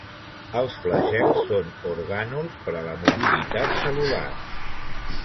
Els flagels són orgànuls per a la mobilitat cel·lular.